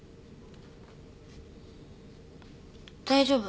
大丈夫。